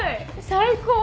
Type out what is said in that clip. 最高！